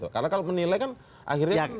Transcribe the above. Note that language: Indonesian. karena kalau menilai kan akhirnya